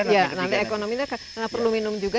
karena ekonominya nggak perlu minum juga